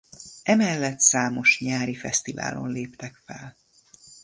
Emellett számos nyári fesztiválon léptek fel.